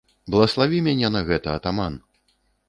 Блаславі мяне на гэта, атаман!